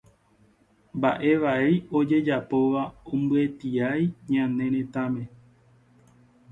Mbaʼe vai ojejapóva ombyetiai ñane retãme.